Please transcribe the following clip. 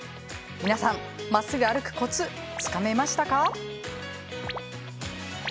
皆さん、まっすぐ歩くコツつかめましたか？